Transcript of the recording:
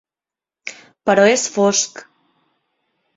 Però és fosc!